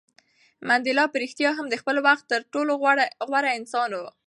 منډېلا په رښتیا هم د خپل وخت تر ټولو غوره انسان و.